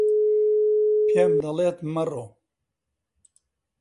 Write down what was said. پێم دەڵێیت مەڕۆ؟